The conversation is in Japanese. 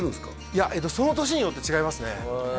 いやその年によって違いますね